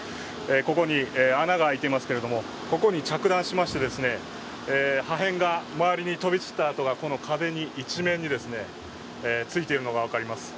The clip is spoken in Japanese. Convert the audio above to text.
ここに穴が開いていますけれども、ここに着弾しまして、破片が周りに飛び散ったあとが壁一面についているのが分かります。